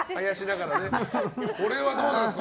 これはどうなんですか